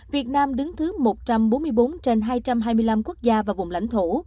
việt nam đứng thứ một trăm bốn mươi bốn trên hai trăm hai mươi năm quốc gia và vùng lãnh thổ